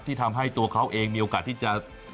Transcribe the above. ที่ทำให้ตัวเค้าเองมีโอกาสที่จะต้องขอถอนตัว